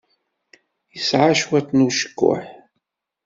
Yesɛa cwiṭ n ucekkuḥ.